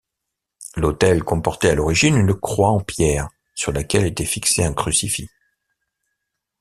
L'autel comportait à l'origine une croix en pierre sur laquelle était fixé un crucifix.